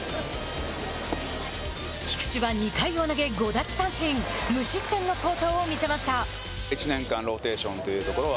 菊池は２回を投げ５奪三振無失点の好投を見せました。